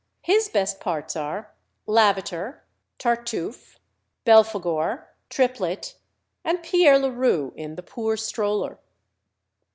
His best parts are Lavater, Tartuffe, Belphegor, Triplet, and Pierre Leroux in "The Poor Stroller."